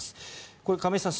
これ、亀井さん